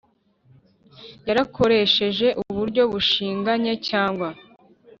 Yarakoresheje uburyo bushinganye cyangwa